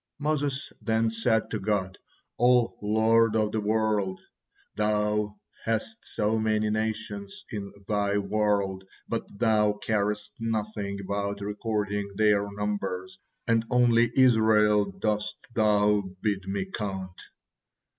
'" Moses then said to God: "O Lord of the world! Thou hast so many nation in Thy world, but Thou carest nothing about recording their numbers, and only Israel dost Thou bid me count."